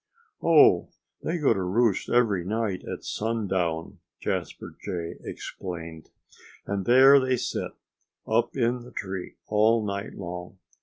"Oh! they go to roost every night at sundown," Jasper Jay explained. "And there they sit, up in the tree, all night long.